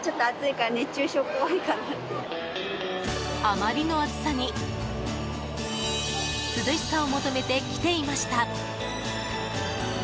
あまりの暑さに涼しさを求めて来ていました。